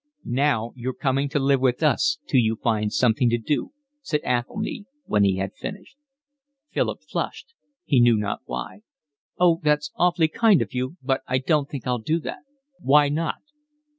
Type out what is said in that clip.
"Now you're coming to live with us till you find something to do," said Athelny, when he had finished. Philip flushed, he knew not why. "Oh, it's awfully kind of you, but I don't think I'll do that." "Why not?"